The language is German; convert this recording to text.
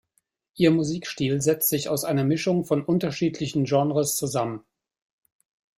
Ihr Musikstil setzt sich aus einer Mischung von unterschiedlichen Genres zusammen.